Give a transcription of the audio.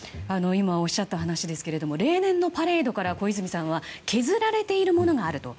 今おっしゃった話ですが例年のパレードから小泉さんは削られているものがあると。